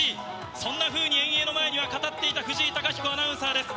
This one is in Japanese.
そんなふうに遠泳の前には語っていた藤井貴彦アナウンサーです。